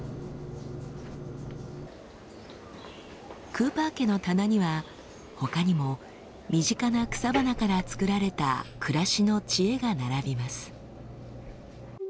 クーパー家の棚にはほかにも身近な草花から作られた暮らしの知恵が並びます。